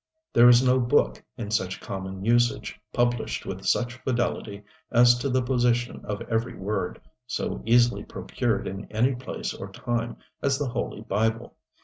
There is no book in such common usage, published with such fidelity as to the position of every word, so easily procured in any place or time, as the Holy Bible.